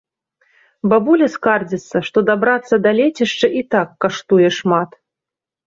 Бабуля скардзіцца, што дабрацца да лецішча і так каштуе шмат.